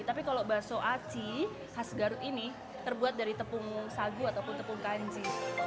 tapi kalau bakso aci khas garut ini terbuat dari tepung sagu ataupun tepung kanci